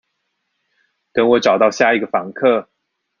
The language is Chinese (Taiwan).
等我找到下一個房客